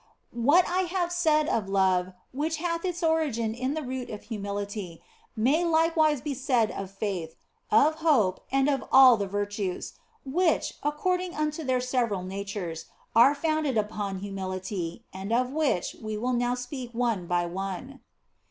" What I have said of love which hath its origin in the root of humility, may likewise be said of faith, of hope, and of all the virtues, which, according unto their several natures, are founded upon humility, and of which we will now speak one by one.